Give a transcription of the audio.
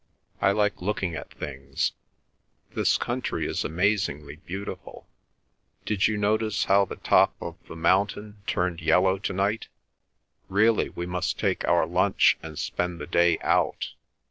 I like looking at things. This country is amazingly beautiful. Did you notice how the top of the mountain turned yellow to night? Really we must take our lunch and spend the day out.